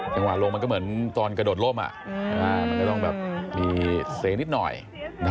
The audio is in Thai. จังหวะลงมันก็เหมือนตอนกระโดดล่มมันก็ต้องแบบมีเสียงนิดหน่อย